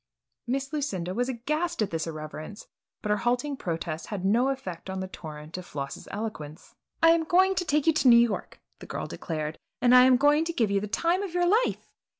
Miss Lucinda was aghast at this irreverence but her halting protests had no effect on the torrent of Floss's eloquence. "I am going to take you to New York," the girl declared "and I am going to give you the time of your life!